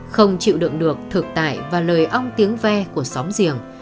không chịu đựng được thực tại và lời ong tiếng ve của xóm riềng